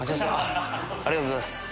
ありがとうございます。